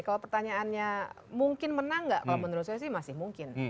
kalau pertanyaannya mungkin menang nggak kalau menurut saya sih masih mungkin